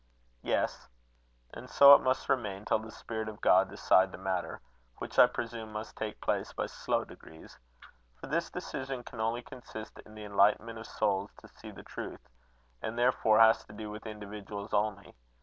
"Yes. And so it must remain, till the Spirit of God decide the matter, which I presume must take place by slow degrees. For this decision can only consist in the enlightenment of souls to see the truth; and therefore has to do with individuals only.